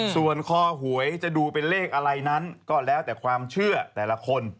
ส่วนคอหวยจะดูเป็นเลขอะไรนั้นก็แล้วแต่ความเชื่อแต่ละคน